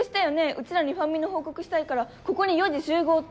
うちらにファンミの報告したいからここに４時集合って。